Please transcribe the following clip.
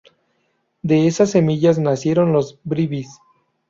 De esas semillas nacieron los bribris.